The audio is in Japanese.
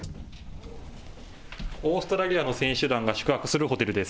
オーストラリアの選手団が宿泊するホテルです。